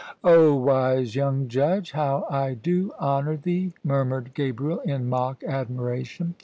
"O wise young judge, how I do honour thee!" mur mured Gabriel in mock admiration.